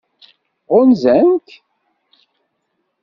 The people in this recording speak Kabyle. Ɣunzan-k?